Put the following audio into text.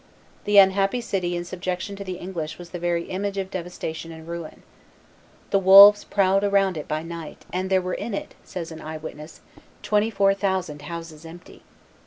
The unhappy city in subjection to the English was the very image of devastation and ruin. "The wolves prowled about it by night, and there were in it," says an eye witness, "twenty four thousand houses empty."